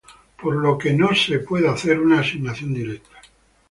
Por lo que no se puede hacer una asignación directa.